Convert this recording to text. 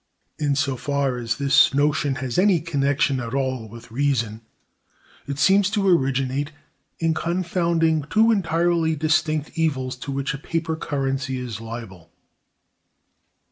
In so far as this notion has any connection at all with reason, it seems to originate in confounding two entirely distinct evils, to which a paper currency is liable.